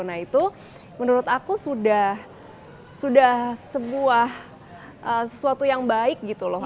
nah itu menurut aku sudah sebuah sesuatu yang baik gitu loh